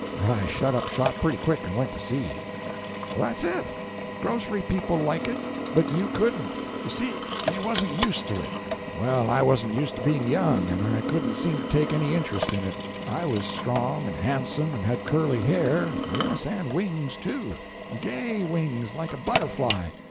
I shut up shop pretty quick and went to sea." "That's it. Grocery people like it, but you couldn't. You see you wasn't used to it. Well, I wasn't used to being young, and I couldn't seem to take any interest in it. I was strong, and handsome, and had curly hair,—yes, and wings, too!—gay wings like a butterfly.